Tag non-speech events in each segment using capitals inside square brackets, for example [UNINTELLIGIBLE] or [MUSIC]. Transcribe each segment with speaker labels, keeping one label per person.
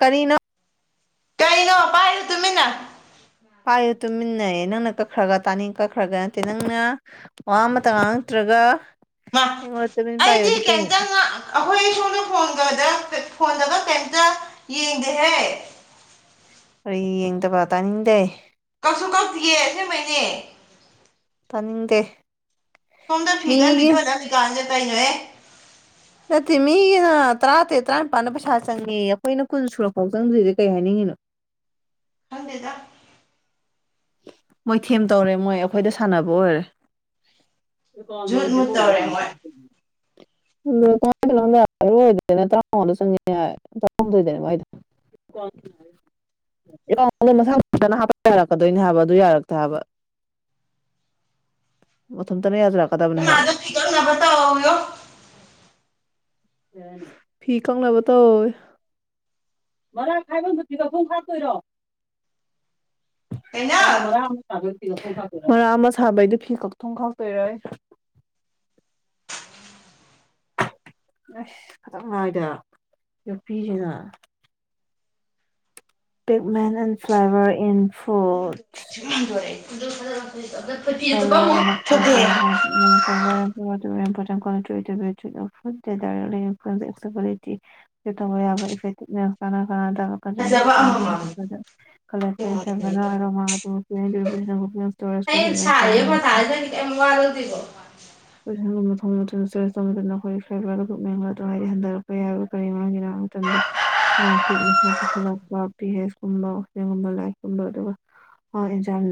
Speaker 1: ꯀꯔꯤꯅꯣ
Speaker 2: ꯀꯩꯅꯣ ꯄꯥꯏꯌꯨꯗ ꯇꯨꯃꯤꯟꯅ
Speaker 1: ꯄꯥꯏꯌꯨ ꯇꯨꯃꯤꯟꯅꯌꯦ ꯅꯪꯅ ꯀꯛꯈ꯭ꯔꯒ ꯇꯥꯅꯤꯡ ꯀꯛꯈ꯭ꯔꯒ ꯅꯠꯇꯦ ꯅꯪꯅ ꯋꯥ ꯑꯃꯠꯇ ꯉꯥꯡꯉꯛꯇ꯭ꯔꯒ
Speaker 2: ꯃꯥ
Speaker 1: ꯑꯩꯉꯣꯟ ꯇꯨꯃꯤꯟ
Speaker 2: ꯑꯩꯗꯤ
Speaker 1: ꯄꯥꯏꯌꯣꯗꯤ ꯀꯩꯅꯣ
Speaker 2: ꯀꯩꯝꯇ ꯉꯥ ꯑꯩꯈꯣꯏ ꯁꯣꯝꯅ ꯐꯣꯟ ꯐꯣꯟꯗꯕ ꯀꯩꯇ ꯌꯦꯡꯗꯦꯍꯦ
Speaker 1: ꯀꯔꯤ ꯌꯦꯡꯗꯕ ꯇꯥꯅꯤꯡꯗꯦ꯫
Speaker 2: ꯀꯛꯁꯨ ꯀꯧꯇꯌꯦꯦ ꯁꯤꯃꯩꯅꯦ꯫
Speaker 1: ꯇꯥꯅꯤꯡꯗꯦ
Speaker 2: ꯁꯨꯝꯗ ꯊꯤꯀ ꯕꯤꯖꯣ
Speaker 1: ꯃꯤꯒꯤ
Speaker 2: ꯅꯅ ꯅꯤꯀꯥꯟꯅꯦ ꯀꯩꯅꯣꯍꯦ ꯫
Speaker 1: ꯅꯠꯇꯦ ꯃꯤꯒꯤꯅ ꯇꯔꯥꯇꯦꯠ ꯇꯔꯥꯅꯤꯄꯥꯥꯟꯗ ꯄꯩꯁꯥ ꯆꯪꯉꯦ ꯑꯩꯈꯣꯏꯅ ꯀꯨꯟ ꯁꯨꯔꯛꯐꯥꯎ ꯆꯪꯗꯣꯏꯗꯤ ꯀꯩ ꯍꯥꯏꯅꯤꯡꯉꯤꯅꯣ?
Speaker 2: ꯍꯗꯦꯗ
Speaker 1: ꯃꯣꯏꯊꯦꯝ ꯇꯧꯔꯦ ꯃꯣꯏ ꯑꯩꯈꯣꯏꯗ ꯁꯥꯟꯅꯕ ꯑꯣꯏꯔꯦ
Speaker 2: ꯖꯨꯠ ꯃꯨꯠ ꯇꯧꯔꯦ ꯃꯣꯏ
Speaker 1: [UNINTELLIGIBLE] [UNINTELLIGIBLE] [UNINTELLIGIBLE] ꯐꯗꯣꯏꯅꯦ ꯍꯥꯏꯕ ꯑꯗꯨ ꯌꯥꯔꯛꯇꯦ ꯍꯥꯏꯕ ꯃꯊꯟꯇꯅ ꯌꯥꯖꯔꯛꯀꯗꯕꯅꯦ ꯍꯥꯏꯕ
Speaker 2: ꯆꯪꯅꯕ ꯇꯧꯋꯣꯌꯨ꯫
Speaker 1: ꯐꯤ ꯀꯛꯅꯕ ꯇꯧꯋꯣꯌꯦ꯫ ꯃꯔꯥ ꯈꯥꯏꯕꯝꯗꯨ ꯐꯤ ꯀꯛꯐꯝ ꯈꯥꯛꯇꯣꯏꯔꯣ?
Speaker 2: ꯀꯩꯅꯣ
Speaker 1: ꯃꯔꯥ ꯑꯃ ꯁꯥꯕꯩꯗꯤ ꯐꯤ ꯈꯛ ꯊꯣꯡ ꯈꯥꯎꯇꯣꯏꯔꯣꯏꯌꯦ꯫ ꯑꯁ ꯆꯅꯥꯏꯗ ꯅꯨꯄꯤꯁꯤꯅ ꯄꯤꯛ ꯃꯦꯟ ꯑꯦꯟ ꯐ꯭ꯂꯥꯏꯕꯔ ꯏꯟ ꯐꯨꯜ
Speaker 2: [UNINTELLIGIBLE] ꯊꯨꯞꯄꯦ
Speaker 1: [UNINTELLIGIBLE] [UNINTELLIGIBLE]
Speaker 2: ꯐꯖꯕ ꯑꯃꯃꯝ
Speaker 1: [UNINTELLIGIBLE] [UNINTELLIGIBLE]
Speaker 2: ꯀꯃꯔꯗꯕ [UNINTELLIGIBLE]
Speaker 1: [UNINTELLIGIBLE] ꯀ ꯋꯥ ꯉꯔꯥꯡꯇꯗ ꯃꯁ ꯄꯨꯁꯤꯜꯂꯛꯄ ꯄꯤ ꯑꯦꯦꯁ ꯀꯨꯝꯕ ꯁꯤꯒꯨꯝꯕ ꯂꯥꯏꯔꯤꯛꯀꯨꯝꯕ ꯑꯗꯨꯒ ꯍ ꯏꯟꯁꯜ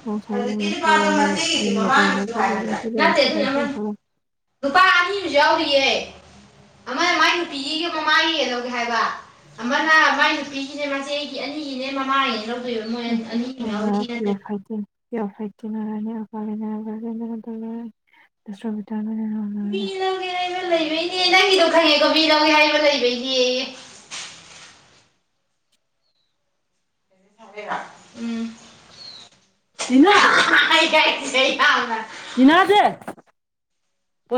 Speaker 1: ꯉꯁꯥꯏꯒꯤ
Speaker 2: ꯑꯗꯨꯄꯥꯗꯣꯣ ꯍꯥꯏꯒꯗ꯭ꯔꯥ ꯅꯠꯇꯦ ꯑꯗꯨ ꯅꯨꯄꯥ ꯑꯅꯤ ꯑꯃꯁꯨ ꯌꯥꯎꯔꯤꯌꯦ ꯑꯃꯅ ꯃꯥꯏ ꯅꯨꯄꯤꯒꯤꯒ ꯃꯃꯒꯤ ꯀ ꯂꯧꯧꯒꯦ ꯍꯥꯏꯕ ꯑꯃꯅ ꯃꯥꯏ ꯅꯨꯄꯤꯒꯤꯅꯦ ꯃꯆꯦ ꯑꯩꯒꯤ ꯑꯅꯤꯁꯤꯅ ꯃꯃꯥꯒꯤꯅꯦ ꯂꯧꯗꯣꯏꯕ ꯃꯣꯏ
Speaker 1: ꯅꯝꯄꯔ
Speaker 2: ꯑꯅꯤ ꯑꯃ
Speaker 1: ꯐꯥꯏꯗ
Speaker 2: ꯌꯥꯎꯔꯤ ꯁꯤ ꯅꯠꯇꯕꯤꯗ
Speaker 1: ꯄ ꯐꯥꯏꯗꯤ ꯃꯅꯤ꯭ꯔꯣ [INAUDIBLE]
Speaker 2: ꯃꯤ ꯂꯧꯒꯦ ꯍꯥꯏꯕ ꯂꯩꯕꯩꯅꯦ ꯅꯪꯒꯤꯗꯣ ꯈꯪꯉꯦꯀꯣ ꯃꯤ ꯂꯧꯒꯦ ꯍꯥꯏꯕ ꯂꯩꯕꯩꯅꯦ ꯎꯝ
Speaker 1: ꯇꯤꯅꯥ
Speaker 2: ꯀꯥꯏ
Speaker 1: ꯇꯤꯅꯥꯖꯦ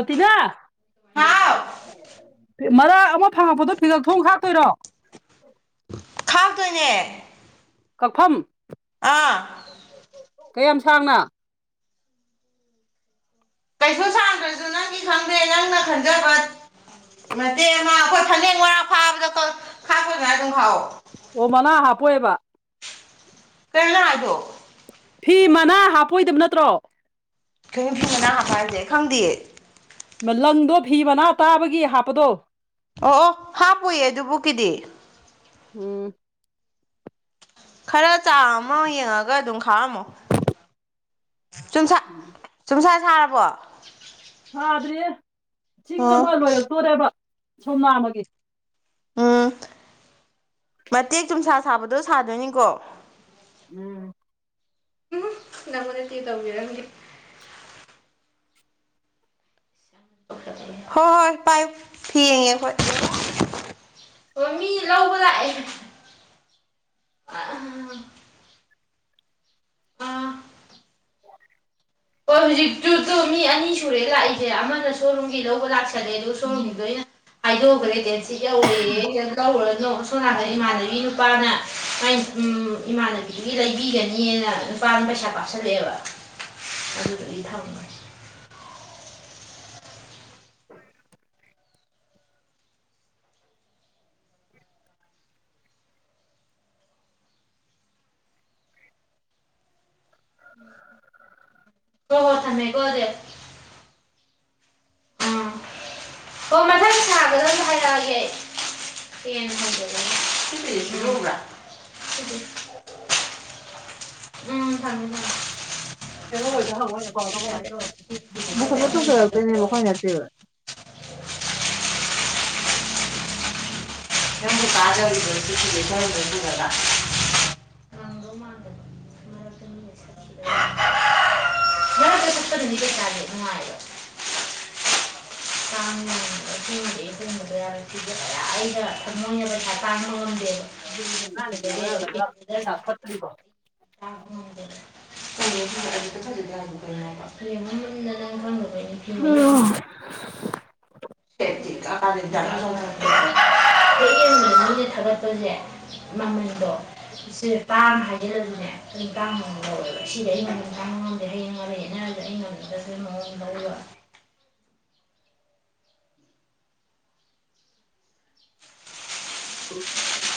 Speaker 1: ꯇꯤꯅꯥ
Speaker 2: ꯍꯥꯎ
Speaker 1: ꯃꯔꯥꯛ ꯑꯃ ꯐꯪꯉꯛꯄꯗꯣ ꯐꯤꯒꯛ ꯊꯣꯡ ꯍꯥꯥꯞꯇꯣꯏꯔꯣ
Speaker 2: ꯍꯥꯞꯗꯣꯏꯅꯦ
Speaker 1: ꯀꯛꯐꯝ
Speaker 2: ꯑꯥ
Speaker 1: ꯀꯌꯥꯝ ꯁꯥꯡꯅ
Speaker 2: ꯀꯩꯁꯨ ꯁꯥꯡꯗ꯭ꯔꯁꯨ ꯅꯪꯒꯤ ꯈꯪꯗꯦ ꯅꯪꯅ ꯈꯟꯖꯕ ꯃꯇꯦꯛ ꯑꯃ ꯑꯩꯈꯣꯏ ꯐꯅꯦꯛ ꯃꯔꯥꯛ ꯐꯥꯕꯗ ꯀꯛ ꯈꯥꯛꯄ ꯑꯗꯨꯃꯥꯏꯅ ꯑꯗꯨꯝ ꯈꯥꯛꯑꯣ
Speaker 1: ꯑꯣ ꯃꯅꯥ ꯍꯥꯞꯄꯣꯏꯕ
Speaker 2: ꯀꯩꯅꯣ ꯅꯪ ꯍꯥꯏꯗꯨ
Speaker 1: ꯐꯤ ꯃꯅꯥ ꯍꯥꯞꯄꯣꯏꯗꯕ ꯅꯠꯇ꯭ꯔꯣ
Speaker 2: ꯀꯩꯅꯣ ꯐꯤ ꯃꯅꯥ ꯍꯥꯞꯄ ꯍꯥꯏꯖꯦ ꯈꯪꯗꯤꯌꯦ
Speaker 1: ꯃ ꯂꯪꯗꯣ ꯐꯤ ꯃꯅꯥ ꯇꯥꯕꯒꯤ ꯍꯥꯞꯄꯗꯣ
Speaker 2: ꯑꯣ ꯑꯣ ꯍꯥꯞꯄꯣꯏꯌꯦ ꯑꯗꯨꯕꯨꯛꯀꯤꯗꯤ
Speaker 1: ꯎꯝ
Speaker 2: ꯈꯔ ꯆꯥꯡ ꯑꯃ ꯌꯦꯡꯉꯒ ꯑꯗꯨꯝ ꯈꯥꯛꯑꯝꯃꯣ ꯆꯨꯝꯁꯥ
Speaker 1: [INAUDIBLE]
Speaker 2: ꯆꯨꯝꯁꯥ ꯁꯥꯔꯕꯣ
Speaker 1: ꯁꯥꯗ꯭ꯔꯤꯌꯦ ꯆꯤꯡ
Speaker 2: ꯑꯣ
Speaker 1: ꯑꯃ ꯂꯣꯏꯔꯛꯇꯣꯔꯦꯕ ꯁꯣꯝꯅꯥꯝ ꯑꯃꯒꯤꯒꯤ
Speaker 2: ꯎꯝ ꯃꯇꯦꯛ ꯆꯨꯝꯁꯥ ꯁꯥꯕꯗꯣ ꯁꯥꯗꯣꯏꯅꯤꯀꯣ
Speaker 1: ꯎꯝ
Speaker 2: ꯎ ꯅꯪ ꯃꯅꯦꯗ ꯇꯧꯔꯗꯤ ꯍꯣꯏ ꯍꯣꯏ ꯄꯥꯏꯌꯨ ꯐꯤ ꯌꯦꯡꯉꯦ ꯑꯩ ꯈꯣꯏ ꯑꯣ ꯃꯤ ꯂꯧꯕ ꯂꯥꯛꯑꯦ ꯑꯥ ꯍꯣꯏ ꯍꯧꯖꯤꯛꯇꯁꯨ ꯃꯤ ꯑꯅꯤ ꯁꯨꯔꯦ ꯂꯥꯛꯏꯁꯦ ꯑꯃꯅ ꯁꯣꯔꯨꯝꯒꯤ ꯂꯧꯕ ꯂꯥꯛꯑꯦ ꯆꯠꯂꯦ ꯑꯗꯨ ꯁꯣꯝꯒꯤꯗꯨꯁꯨ ꯑꯩꯅ ꯍꯥꯏꯗꯣꯛꯈ꯭ꯔꯦ ꯗꯤ ꯁꯤ ꯌꯧꯔꯦ ꯂꯧꯔꯅꯣ ꯁꯣꯝꯅꯥꯀꯟꯗ ꯏꯃꯥꯟꯅꯕꯤ ꯅꯨꯄꯥꯅ ꯏꯃꯥꯟꯅꯕꯤꯒꯤ ꯂꯩꯕꯤꯒꯅꯤꯅ ꯅꯨꯄꯥꯅ ꯄꯩꯁꯥ ꯀꯥꯞꯁꯤꯜꯂꯛꯑꯦꯕ ꯑꯗꯨꯗꯤ ꯊꯝ
Speaker 1: [INAUDIBLE]
Speaker 2: ꯍꯥ ꯍꯥ ꯝꯃꯦꯀꯣ ꯑꯇꯨꯗꯤ ꯎꯝ ꯑꯣ ꯃꯊꯪ ꯁꯥꯕꯗ ꯑꯗꯨꯝ ꯍꯥꯏꯔꯛꯑꯒꯦ ꯑꯩ [UNINTELLIGIBLE] ꯎꯝ ꯊꯝꯃꯦ ꯊꯝꯃꯦ
Speaker 1: ꯖꯦꯔꯣ ꯑꯣꯏꯗꯣ ꯍꯪꯉꯣ ꯑꯦꯀꯥꯎꯟꯗꯣ ꯀꯃꯥꯏ ꯇꯧꯔꯒꯦ [UNINTELLIGIBLE] ꯃꯊꯟꯇ ꯇꯧꯖꯔꯛꯇꯣꯏꯅꯦꯕ ꯑꯩꯈꯣꯏꯅ ꯅꯠꯇꯦꯕꯗ
Speaker 2: ꯅꯪꯕꯨ ꯀꯥꯗꯧꯔꯤꯕ꯭ꯔꯣ ꯁꯤ ꯐꯤꯖꯦ [UNINTELLIGIBLE] ꯃꯤꯅ ꯃꯔꯛꯇ [UNINTELLIGIBLE] ꯅꯨꯡꯉꯥꯏꯕ ꯇꯥꯡ [UNINTELLIGIBLE] ꯑꯗꯨꯝꯕꯗꯣ ꯌꯥꯝ [UNINTELLIGIBLE] ꯑꯩꯅ [UNINTELLIGIBLE] ꯄꯩꯁꯥ ꯇꯥꯡꯕ ꯉꯝꯗꯦꯕ ꯄꯤꯕꯗꯒꯤ
Speaker 1: [UNINTELLIGIBLE] ꯐꯠꯇꯔꯤꯕꯣ
Speaker 2: [UNINTELLIGIBLE] [UNINTELLIGIBLE] ꯀꯩꯅꯣꯕ ꯌꯦꯡꯉꯣ ꯃꯨꯟꯅ ꯅꯪ ꯈꯪꯗꯕꯩꯅꯦ ꯐꯤ ꯃꯌꯦꯛ ꯁꯦꯠꯇꯤ ꯀꯥꯔꯦ [UNINTELLIGIBLE] ꯍꯦꯛ ꯌꯦꯡꯕꯗ ꯃꯤꯅ ꯊꯥꯒꯠꯄꯖꯦ ꯃꯃꯜꯗꯣ ꯁꯤꯜ ꯄꯥꯝ ꯍꯥꯏ [UNINTELLIGIBLE] ꯇꯥꯡꯅ ꯂꯧꯋꯦꯕ ꯁꯤꯗꯤ ꯑꯩ ꯃꯃꯜ ꯇꯥꯡꯕ ꯉꯝꯗꯦ ꯍꯌꯦꯡ ꯃꯔꯩ ꯌꯦꯠꯅꯔꯖꯨ ꯑꯩꯅ ꯉꯝ ꯗꯁꯨ ꯃꯑꯣꯡ ꯂꯧꯕ
Speaker 1: [INAUDIBLE]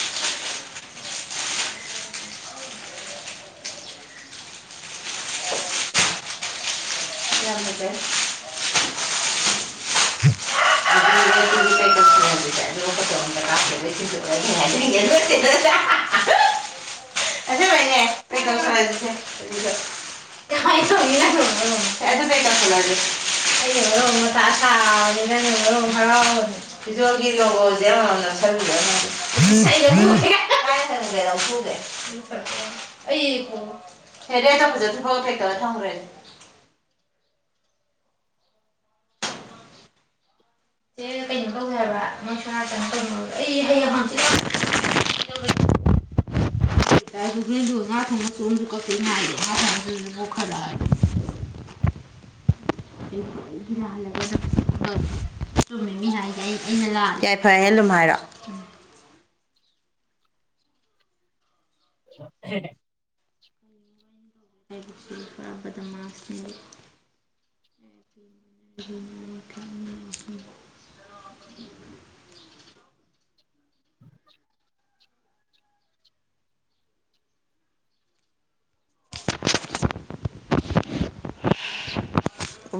Speaker 2: [UNINTELLIGIBLE] [UNINTELLIGIBLE] [UNINTELLIGIBLE] ꯑꯁꯦꯡꯕꯩꯅꯦ ꯄꯦꯛ ꯇꯧꯁꯟꯂꯖꯤꯁꯦ ꯑꯗꯨꯒ ꯀꯃꯥꯏ ꯇꯧꯅꯤ ꯅꯪꯅ ꯃꯔꯣꯜ ꯑꯃ ꯑꯗꯨ ꯄꯦꯛ ꯇꯧꯁꯤꯟꯂꯖꯤ ꯑꯩꯅ ꯃꯔꯣꯝꯃ ꯃꯊꯥ ꯁꯥꯕꯅꯦ ꯅꯪꯅ ꯃꯔꯣꯝꯃ ꯍꯔꯥꯎꯕꯅꯦ ꯐꯤꯖꯣꯜꯒꯤ ꯂꯣꯒꯣꯖꯦ ꯑꯃꯝꯃꯝ ꯅꯞꯁꯟꯕꯤꯔꯝꯃꯗꯤ ꯏꯁ ꯑꯩꯥ ꯂꯧꯊꯣꯛꯎꯒꯦ ꯀꯥꯏ ꯀꯥꯏ ꯊꯅꯝꯒꯦ ꯂꯧꯊꯣꯛꯎꯒꯦ ꯑꯩ ꯄꯨ ꯍꯦꯗꯦ ꯇꯧꯕꯖꯦ ꯑꯗꯨꯐꯥꯎꯗ ꯄꯦꯛ ꯇꯧꯔꯥ ꯊꯝꯒ꯭ꯔꯦ ꯍꯦꯛꯑꯒ ꯀꯩꯅꯣ ꯇꯧꯖꯦ ꯍꯥꯏꯕ ꯅꯣꯏ ꯁꯣꯟ ꯅꯥꯀꯟꯗ [UNINTELLIGIBLE] ꯑꯩ ꯍꯌꯦꯡ ꯍꯥꯡꯆꯤꯠ ꯂꯥꯛ [UNINTELLIGIBLE] [INAUDIBLE] [INAUDIBLE] ꯜꯂꯒꯨꯝꯦ ꯌꯥꯏ ꯐꯔꯦ ꯍꯦ ꯑꯗꯨꯨꯝ ꯍꯥꯏꯔꯛꯑꯣ
Speaker 1: [UNINTELLIGIBLE]
Speaker 2: ꯆ ꯐ ꯑꯔꯕꯗ ꯃꯥꯁꯅꯤ [INAUDIBLE]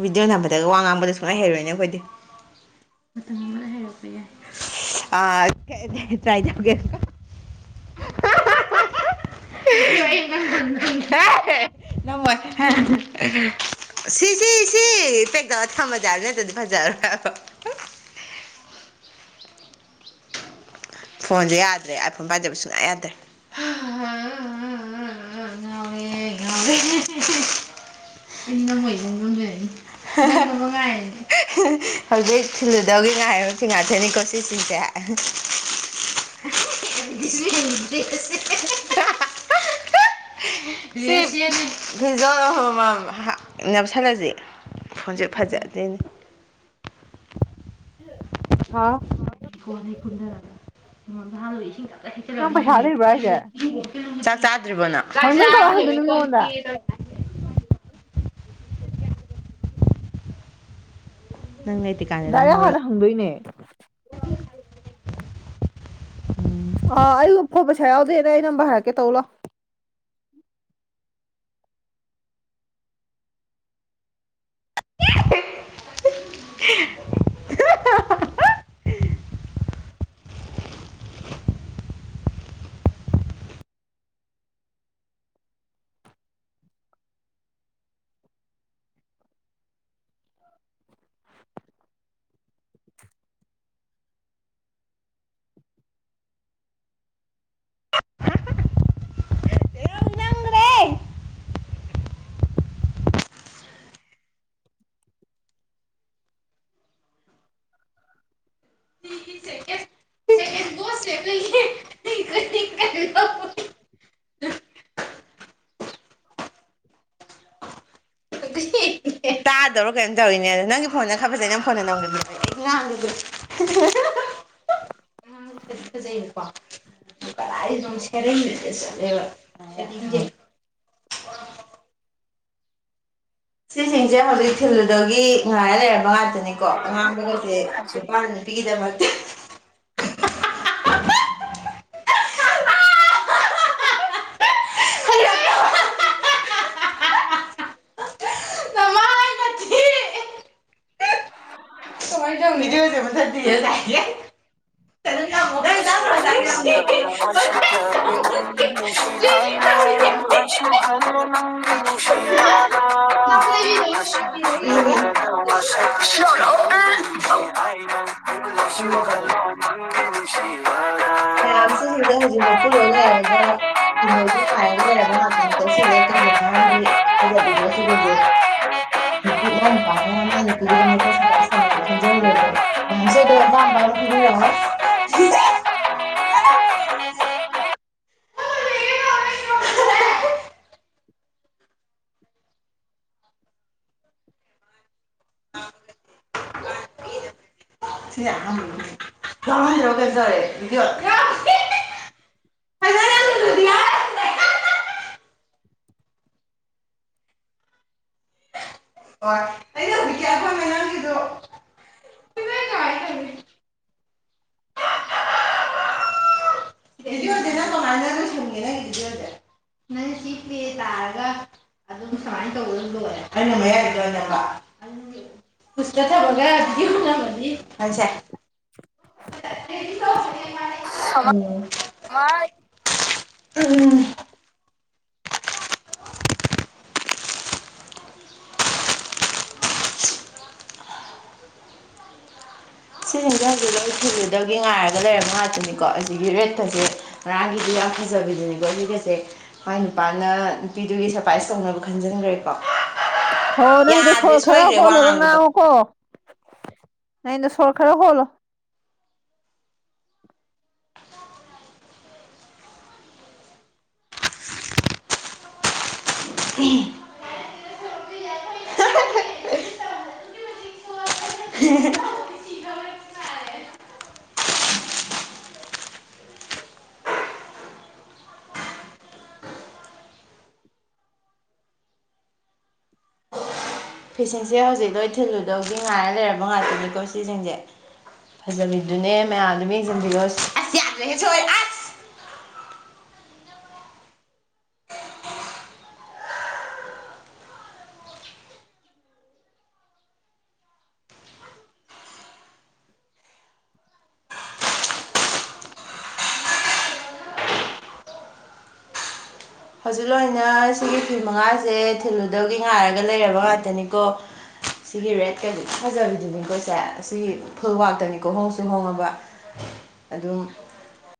Speaker 2: ꯚꯗꯤꯑꯣ ꯝꯕꯗꯒ ꯋꯥ ꯉꯥꯡꯕꯗ ꯁꯨꯡꯅ ꯍꯩꯔꯣꯏꯅꯦ ꯑꯩꯈꯣꯏꯗꯤ ꯑ ꯇ꯭ꯔꯥꯏꯦ ꯎꯝ ꯅꯝꯃꯣꯏ [UNINTELLIGIBLE] ꯁꯤ ꯁꯤ ꯁꯤ ꯄꯦꯛ ꯇꯧꯔ ꯊꯝꯃꯖꯥꯔ ꯅꯠꯇ꯭ꯔꯗꯤ ꯐꯖꯔꯣꯏ ꯐꯣꯟꯁꯦ ꯌꯥꯗ꯭ꯔꯦ ꯑꯥꯏꯐꯣꯟ ꯄꯥꯏꯗꯕ ꯁꯨꯡꯅꯥ ꯌꯥꯗ꯭ꯔꯦ ꯑ ꯑ ꯉꯥꯎꯔꯦ ꯉꯥꯎꯔꯦ ꯑꯩꯗꯤ ꯅꯪ ꯑꯣꯏ [UNINTELLIGIBLE] ꯑꯣꯟꯗꯣꯏꯅꯤ [UNINTELLIGIBLE] ꯍꯧꯖꯤꯛ ꯊꯤꯜꯂꯨꯗꯧꯒꯤ ꯉꯥꯏꯔꯕ ꯐꯤ ꯉꯥꯛꯇꯅꯤꯀꯣ ꯁꯤ ꯁꯤꯡꯁꯦ ꯑ [UNINTELLIGIBLE] [UNINTELLIGIBLE] ꯁꯤ ꯐꯤꯖꯣꯜ ꯑꯃꯝꯃꯝ ꯍ ꯅꯞꯁꯟꯂꯖꯤ ꯐꯣꯟꯁꯦ ꯐꯖꯗꯣꯏꯅꯤ
Speaker 1: ꯍꯥꯥꯎ
Speaker 2: ꯑꯩ ꯀꯣꯟꯗꯩ ꯀꯨꯝꯗꯔꯒ ꯌꯨꯡ ꯑꯝꯇ ꯍꯥꯟꯂꯨꯒꯤꯒꯦ ꯏꯁꯤꯡ ꯇꯞꯇꯥꯏ
Speaker 1: ꯅꯪ
Speaker 2: ꯊꯛꯆꯟꯂꯕꯅꯤꯅ
Speaker 1: ꯄꯩꯁꯥ
Speaker 2: ꯌꯨꯔꯤꯟ
Speaker 1: ꯂꯩꯕ꯭ꯔꯥ ꯍꯥꯏꯁꯦ
Speaker 2: [UNINTELLIGIBLE] ꯆꯥꯛ ꯆꯥꯗ꯭ꯔꯤꯕꯣ ꯅꯪ ꯆꯥꯛ
Speaker 1: ꯍꯪ
Speaker 2: ꯆꯥꯕ
Speaker 1: ꯀꯃꯥꯏꯅ ꯍꯪꯗꯣꯏꯅꯣ
Speaker 2: ꯂꯣꯏꯕꯒꯤ ꯀꯣꯟ
Speaker 1: ꯃꯤꯉꯣꯟꯗ
Speaker 2: ꯐꯦꯡꯒꯦ ꯇꯧꯔꯤ
Speaker 1: [INAUDIBLE] [INAUDIBLE]
Speaker 2: ꯅꯪꯉꯥꯏ
Speaker 1: ꯗꯥꯔꯦ ꯍꯥꯟꯅ ꯍꯪꯗꯣꯏꯅꯦ ꯑꯥ ꯑꯩ ꯎꯐꯣ ꯁꯥꯗꯅꯦ ꯑꯩꯩꯅꯝꯕꯔ ꯍꯥꯏꯔ ꯀ ꯇꯧꯂꯥ
Speaker 2: [UNINTELLIGIBLE]
Speaker 1: [INAUDIBLE]
Speaker 2: ꯅꯪꯒ꯭ꯔꯦ [INAUDIBLE] ꯣꯁ [UNINTELLIGIBLE] [UNINTELLIGIBLE] ꯇ ꯀꯥꯗꯧꯔꯣ ꯀꯩꯝ ꯇꯧꯔꯤꯅꯦ ꯑꯗꯣ ꯅꯪꯒꯤ ꯐꯣꯟꯅ ꯈ ꯐꯖꯩ ꯅꯪ ꯐꯣꯟꯅ ꯅꯝꯒꯅꯤ ꯑꯖꯀꯣ [UNINTELLIGIBLE] [UNINTELLIGIBLE] ꯁꯤꯁꯤꯡꯁꯦ ꯍꯧꯖꯤꯛ ꯊꯤꯜꯂꯗꯒꯤ ꯉꯥꯏꯔ ꯂꯩꯔꯕ ꯉꯥꯛꯇꯅꯤꯀꯣ ꯑꯉꯥꯡꯕꯒꯁꯦ ꯅꯤꯄꯥꯅꯤ ꯄꯤꯒꯤꯗꯃꯛꯇ ꯅꯃꯥꯏ ꯅꯊꯤ ꯃ ꯂꯦ [UNINTELLIGIBLE]
Speaker 1: [UNINTELLIGIBLE] ꯁꯤ ꯍꯁ ꯍ [UNINTELLIGIBLE]
Speaker 2: ꯅ [UNINTELLIGIBLE]
Speaker 1: ꯗ [UNINTELLIGIBLE] ꯁꯨꯅꯨꯡꯁꯤ
Speaker 2: ꯊꯝꯒꯗꯕꯅꯤ
Speaker 1: [UNINTELLIGIBLE]
Speaker 2: ꯑꯥꯡꯁꯤꯡꯖꯤꯡꯖꯦ ꯍꯧꯖꯤꯛ ꯃꯄꯨ ꯂꯣꯏ ꯂꯩꯔꯒ ꯁꯤꯗꯣꯏꯒꯤ ꯉꯥꯏꯔꯒ ꯂꯩꯔꯕ ꯉꯥꯛꯇꯅꯤꯀꯣ ꯁꯤꯁꯦ ꯀꯩꯁꯨ ꯃꯌꯥꯝꯒꯤ ꯐꯖꯕꯤꯗꯣ ꯁꯤꯗꯁꯦ [UNINTELLIGIBLE] ꯅꯨꯄꯤ ꯃꯥꯏ ꯅꯨꯄꯥꯅ ꯃꯥꯏ ꯅꯨꯄꯤꯒꯤꯗꯃꯛꯇ ꯁꯔꯄ꯭ꯔꯥꯏꯖ ꯇꯧꯃꯟꯗꯅ ꯁꯣꯟꯖꯜꯂꯦꯗꯣ ꯃꯌꯥꯝꯁꯨ ꯑꯗꯨꯝ ꯑꯄꯥꯝ ꯑꯄꯥꯝꯕ ꯐꯣꯡꯕꯤꯔꯛꯑꯣ ꯔꯒꯦ ꯔꯦꯗꯤꯑꯣ [UNINTELLIGIBLE] ꯂꯨꯗꯤ ꯍꯣꯏ ꯍꯣꯏ ꯑꯩꯅ ꯍꯪꯕꯤꯀꯦ ꯑꯩꯈꯣꯏ ꯃꯅꯥꯥꯛꯀꯤꯗꯣ ꯚꯤꯗꯤꯑꯣꯁꯦ ꯅꯪ ꯀꯃꯥꯏꯅ ꯂꯣꯏꯁꯟꯒꯦ ꯅꯪꯒꯤ ꯚꯤꯗꯤꯑꯣꯁꯦ ꯅꯪ ꯁꯤ ꯄ꯭ꯂꯦ ꯇꯥꯔꯒ ꯑꯩꯅꯅꯦ [UNINTELLIGIBLE] ꯄꯨꯁꯇ ꯊꯝꯃꯒ ꯚꯤꯗꯤꯑꯣ ꯅꯝꯃꯗꯤ ꯍꯣꯏ ꯁꯦ [UNINTELLIGIBLE]
Speaker 1: [UNINTELLIGIBLE]
Speaker 2: ꯎꯝ ꯁꯤ ꯍꯦꯟꯖꯥꯡꯖꯦ ꯂꯩ ꯁꯤꯗꯨꯗꯒꯤ ꯉꯥꯏꯔꯒ ꯂꯩꯔꯕ ꯉꯥꯛꯇꯅꯤꯀꯣ ꯑꯁꯤꯒꯤ ꯔꯦꯛꯀꯖꯦ ꯉꯔꯥꯡꯒꯤꯗꯨ ꯌꯥꯝ ꯐꯖꯕꯤꯗꯨꯅꯤꯀꯣ ꯑꯩꯒꯖꯦ ꯃꯥꯏ ꯅꯨꯄꯥꯅ ꯅꯨꯄꯤꯗꯨꯒꯤ ꯁꯔꯄ꯭ꯔꯥꯏꯁ ꯇꯧꯅꯕ ꯈꯟꯖꯟꯒ꯭ꯔꯦ
Speaker 1: ꯍꯣ ꯅꯪꯒꯤꯗꯣ ꯁꯣꯔ ꯈꯔ
Speaker 2: ꯁꯣꯏꯈ꯭ꯔꯦ ꯋꯥ
Speaker 1: ꯍꯣꯜꯂꯒ
Speaker 2: ꯉꯥꯡꯕꯗꯣ
Speaker 1: ꯉꯥꯡꯉꯨꯀꯣ ꯅꯩꯅꯣ ꯁꯣꯔ ꯈꯔ ꯍꯣꯜꯂꯣ
Speaker 2: ꯐꯤꯁꯤꯡꯁꯦ ꯍꯧꯖꯤꯛ ꯂꯣꯏ ꯊꯤꯜꯂꯨꯗꯧꯒꯤ ꯉꯥꯏꯔ ꯂꯩꯔꯕ ꯉꯥꯛꯇꯅꯤꯀꯣ ꯁꯤꯖꯤꯡꯖꯦ ꯐꯖꯕꯤꯗꯨꯅꯦ ꯃꯌꯥꯝ ꯑꯗꯨꯝ ꯌꯦꯡꯖꯟꯕꯤꯔꯣ ꯑꯁ ꯌꯥꯗ꯭ꯔꯦꯍꯦ ꯁꯣꯢꯔꯦ ꯑꯥ ꯍꯧꯖꯤꯛ ꯂꯣꯏꯅ ꯁꯤꯒꯤ ꯐꯤ ꯃꯉꯥꯖꯦ ꯊꯤꯜꯂꯨꯗꯧꯒꯤ ꯉꯥꯏꯔꯒ ꯂꯩꯔꯕ ꯉꯥꯛꯇꯅꯤꯀꯣ ꯁꯤꯒꯤ ꯔꯦꯠꯀꯖꯦ ꯐꯖꯕꯤꯗꯨꯅꯤꯀꯣꯁꯦ ꯁꯤ ꯐꯨꯜꯋꯥꯛꯇꯅꯤꯀꯣ ꯍꯣꯡꯁꯨ ꯍꯣꯡꯉꯕ ꯑꯗꯨꯝ